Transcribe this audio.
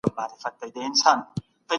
دوی ته د ژوند کولو ټول ضروري حقوق ورکول کيږي.